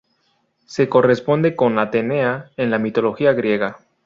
Se corresponde con Atenea en la mitología griega.